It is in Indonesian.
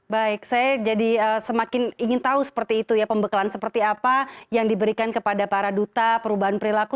baik saya jadi semakin ingin tahu seperti itu ya pembekalan seperti apa yang diberikan kepada para duta perubahan perilaku